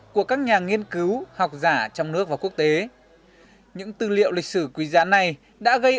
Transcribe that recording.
của các nhà nghiên cứu học giả trong nước và quốc tế những tư liệu lịch sử quý giá này đã gây